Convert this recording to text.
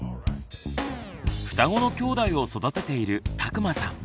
双子のきょうだいを育てている田熊さん。